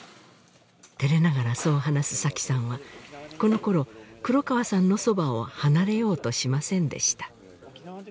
照れながらそう話す紗妃さんはこの頃黒川さんのそばを離れようとしませんでした